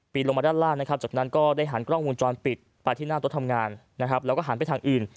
ลงมาด้านล่างนะครับจากนั้นก็ได้หันกล้องวงจรปิดไปที่หน้าโต๊ะทำงานนะครับแล้วก็หันไปทางอื่น